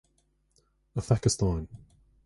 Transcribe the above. An Phacastáin